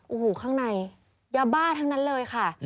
โอ้โหข้างในยาบ้าทั้งนั้นเลยค่ะ